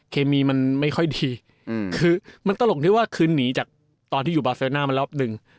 เคมีมันไม่ค่อยดีคือมันตลกที่ว่าคืนหนีจากตอนที่อยู่บาเซอร์น่ามารอบหนึ่ง